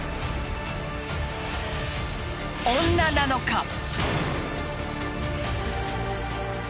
女なのか？